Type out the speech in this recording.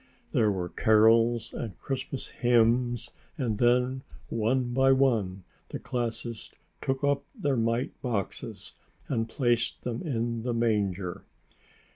There were carols and Christmas hymns and then one by one, the classes took up their mite boxes and placed them in the manger.